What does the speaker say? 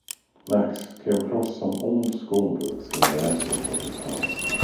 Max came across some old school books in the attic of his house.